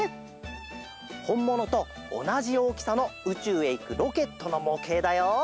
ほんものとおなじおおきさのうちゅうへいくロケットのもけいだよ！